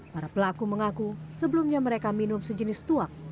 para pelaku mengaku sebelumnya mereka minum sejenis tuak